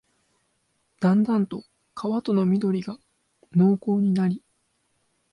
だんだんと川との縁が濃厚になり、